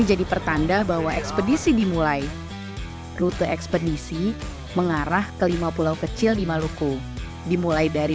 jadi pertanda bahwa ekspedisi dimulai rute ekspedisi mengarah ke lima pulau kecil di maluku dimulai dari